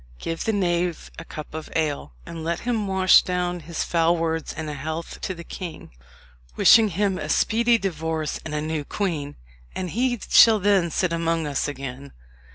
Give the knave a cup of ale, and let him wash down his foul words in a health to the king, wishing him a speedy divorce and a new queen, and he shall then sit among us again."